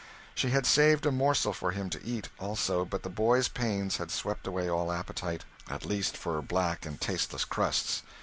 She had saved a morsel for him to eat, also; but the boy's pains had swept away all appetite at least for black and tasteless crusts.